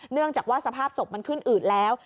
เนื่องจากว่าสภาพศพมันขึ้นอืดแล้ว